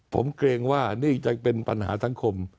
ผมเกรงว่านี่จะเป็นปัญหาสังคม